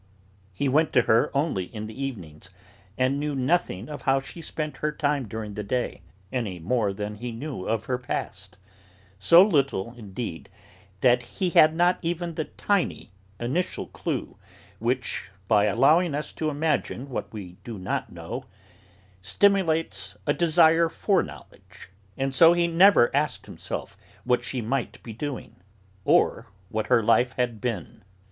He went to her only in the evenings, and knew nothing of how she spent her time during the day, any more than he knew of her past; so little, indeed, that he had not even the tiny, initial clue which, by allowing us to imagine what we do not know, stimulates a desire for knowledge. And so he never asked himself what she might be doing, or what her life had been.